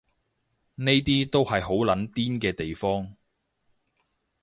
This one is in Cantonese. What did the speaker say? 呢啲都係好撚癲嘅地方